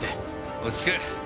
落ち着け！